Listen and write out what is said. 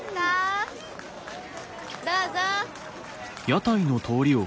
どうぞ！